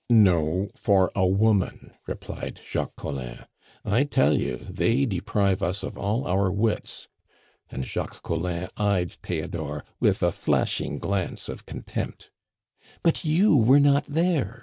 "No, for a woman," replied Jacques Collin. "I tell you, they deprive us of all our wits," and Jacques Collin eyed Theodore with a flashing glance of contempt. "But you were not there!"